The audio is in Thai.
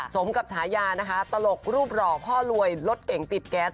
สมกับฉายานะคะตลกรูปหล่อพ่อรวยรถเก่งติดแก๊ส